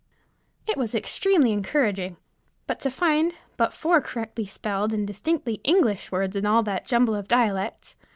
It was extremely encouraging, to find but four correctly spelled and distinctly English words in all that jumble of dialects.